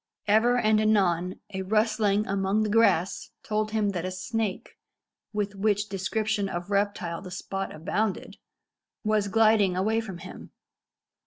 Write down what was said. Ever and anon a rustling among the grass told him that a snake, with which description of reptile the spot abounded, was gliding away from him.